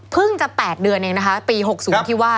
จะ๘เดือนเองนะคะปี๖๐ที่ว่า